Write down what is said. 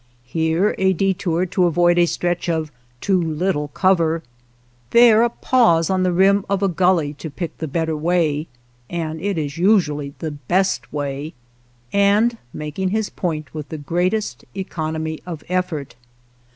Here a detour to avoid a stretch of too little cover, there a pause on the rim of a gully to pick the better way, — and it is usu ally the best way, — and making his point with the greatest economy of effort.